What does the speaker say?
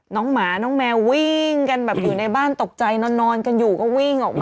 หมาน้องแมววิ่งกันแบบอยู่ในบ้านตกใจนอนกันอยู่ก็วิ่งออกมา